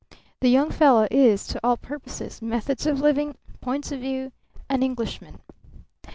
The young fellow is, to all purposes, methods of living, points of view, an Englishman.